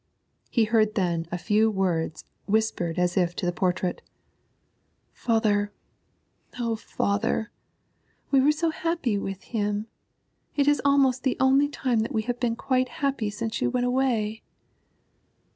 He heard then a few words whispered as if to the portrait: 'Father, oh, father, we were so happy with him! It is almost the only time that we have been quite happy since you went away.'